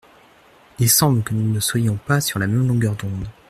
Il semble que nous ne soyons pas sur la même longueur d’ondes.